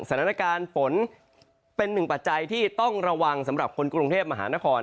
สถานการณ์ฝนเป็นหนึ่งปัจจัยที่ต้องระวังสำหรับคนกรุงเทพมหานคร